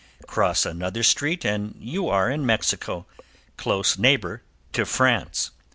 Cross another street and you are in Mexico, close neighbor to France.